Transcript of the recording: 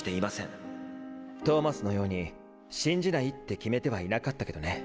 トーマスのように信じないって決めてはいなかったけどね。